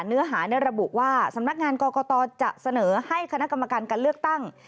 เนื้อหาในระบุว่าสำนักงานกรกตจะเสนอให้คณะกรรมการการเลือกตั้ง